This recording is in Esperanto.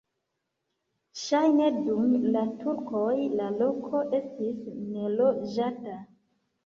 Ŝajne dum la turkoj la loko estis neloĝata.